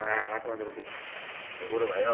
ところがよ